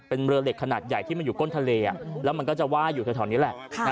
เป็นเรือเหล็กขนาดใหญ่ที่มันอยู่ก้นทะเลแล้วมันก็จะไหว้อยู่แถวนี้แหละ